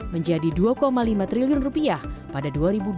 menjadi dua lima triliun rupiah pada dua ribu dua puluh